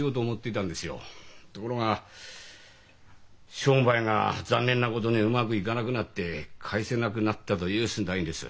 ところが商売が残念なことにうまくいかなくなって返せなくなったという次第です。